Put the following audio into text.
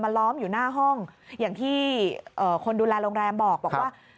ล้อมอยู่หน้าห้องอย่างที่คนดูแลโรงแรมบอกว่า